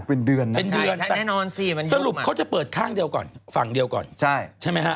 เป็นเดือนน่ะครับสรุปเขาจะเปิดข้างเดียวก่อนฝั่งเดียวก่อนใช่ไหมฮะ